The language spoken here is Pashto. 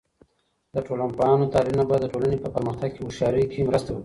د ټولنپوهانو تحلیلونه به د ټولنې په پرمختګ کې هوښیارۍ کې مرسته وکړي.